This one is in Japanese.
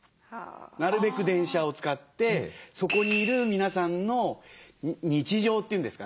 なるべく電車を使ってそこにいる皆さんの日常というんですかね